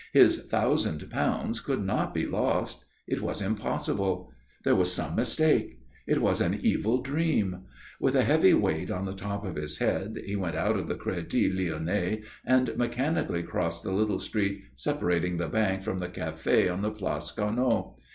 His thousand pounds could not be lost. It was impossible. There was some mistake. It was an evil dream. With a heavy weight on the top of his head, he went out of the Crédit Lyonnais and mechanically crossed the little street separating the Bank from the café on the Place Carnot.